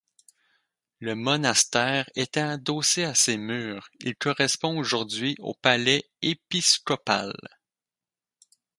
Le monastère était adossé à ses murs, il correspond aujourd'hui au palais épiscopal.